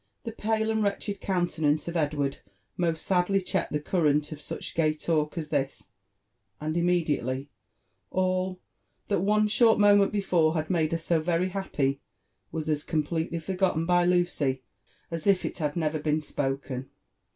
The pale and wretched countenance of Edward most sadly checked tti« current of such gay talk as this, and immediately all that one short moment before had made her so very happy was as completely for gotten by Lucy as if it had never been spoken.